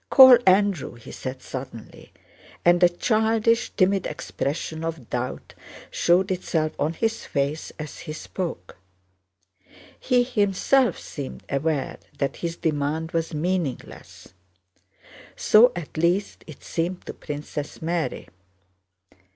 "Call Andrew!" he said suddenly, and a childish, timid expression of doubt showed itself on his face as he spoke. He himself seemed aware that his demand was meaningless. So at least it seemed to Princess Mary.